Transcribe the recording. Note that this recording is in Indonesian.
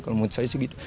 kalau menurut saya segitu